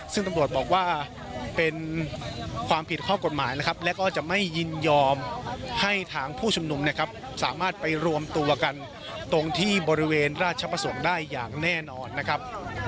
ซึ่งตำรวจบอกว่าเป็นความผิดข้อกฎหมายนะครับและก็จะไม่ยินยอมให้ทางผู้ชุมนุมนะครับสามารถไปรวมตัวกันตรงที่บริเวณราชประสงค์ได้อย่างแน่นอนนะครับ